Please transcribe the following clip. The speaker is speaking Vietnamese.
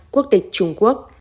quốc tịch trung quốc